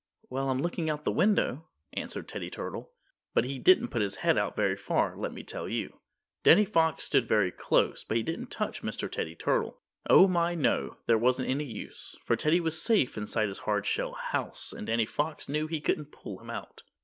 "Well, I'm looking out of the window," answered Teddy Turtle. But he didn't put his head out very far, let me tell you. Danny Fox stood very close, but he didn't touch Mr. Teddy Turtle. Oh, my, no! There wasn't any use, for Teddy was safe inside his hard shell house and Danny Fox knew he couldn't pull him out.